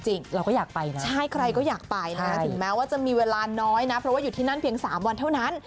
ใช่ใครก็อยากไปนะถึงแม้ว่าจะมีเวลาน้อยนะเพราะว่าอยู่ที่นั่นเพียง๓วันเท่านั้น